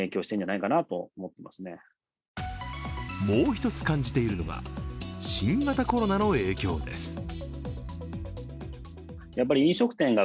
もう一つ感じているのが、新型コロナの影響です。